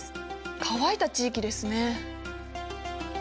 乾いた地域ですね。